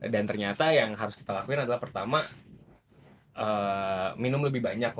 dan ternyata yang harus kita lakuin adalah pertama minum lebih banyak